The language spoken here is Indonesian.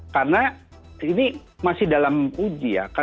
karena ini masih dalam uji ya